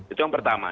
itu yang pertama